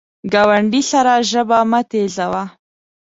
ګاونډي سره ژبه مه تیزوه